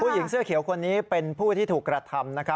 หญิงเสื้อเขียวคนนี้เป็นผู้ที่ถูกกระทำ